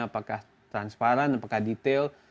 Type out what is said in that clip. apakah transparan apakah detail